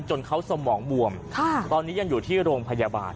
จนเขาสมองบวมตอนนี้ยังอยู่ที่โรงพยาบาล